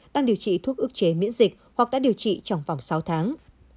đang điều trị thuốc ước chế miễn dịch hoặc đã điều trị trong vòng sáu tháng